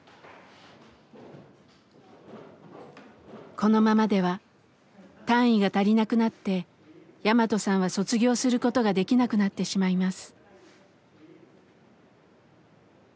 このままでは単位が足りなくなってヤマトさんは卒業することができなくなってしまいます。